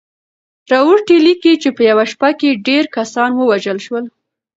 راورټي ليکي چې په يوه شپه کې ډېر کسان ووژل شول.